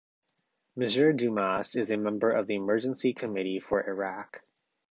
M. Dumas is a member of the Emergency Committee for Iraq.